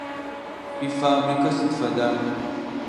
Шъуифабрикэ сыд фэда?